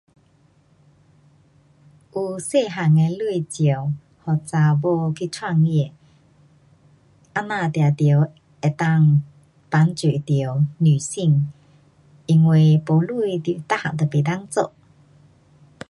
有小件的钱借给女性去创业，这样当然可以帮助到女性。因为没钱你什么都不能做。